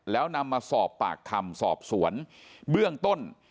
แล้วนำมาสอบปากคำสอบสวนเบื้องต้น